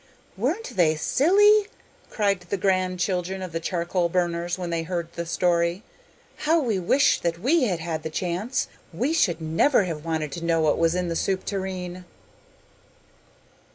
'Weren't they silly?' cried the grandchildren of the charcoal burners when they heard the story. 'How we wish that we had had the chance! WE should never have wanted to know what was in the soup tureen!